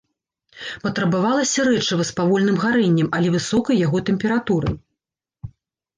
Патрабавалася рэчыва з павольным гарэннем, але высокай яго тэмпературай.